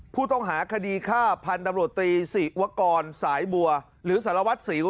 ผู้ต้องหาคดีฆ่าพันธุ์ตำรวจตรีศิวกรสายบัวหรือสารวัตรสิว